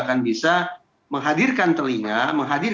padahal menggantikan banyak awan agar kelihatan